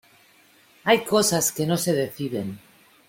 hay cosas que no se deciden.